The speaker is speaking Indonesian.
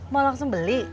mau langsung beli